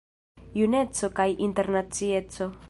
Juneco kaj internacieco.